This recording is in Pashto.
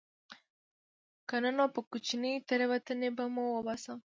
که نه نو په کوچنۍ تېروتنې به مو وباسم